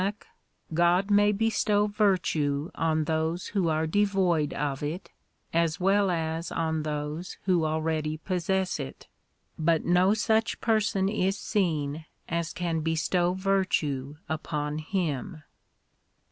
200 THE SIKH RELIGION Nanak, God may bestow virtue on those who are devoid of it, as well as on those who already possess it ; But no such person is seen as can bestow virtue upon Him.